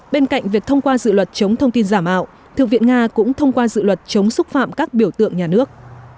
bên cạnh việc thông qua dự luật chống thông tin giả mạo thượng viện nga cũng thông qua dự luật chống xúc phạm các biểu tượng nhà nước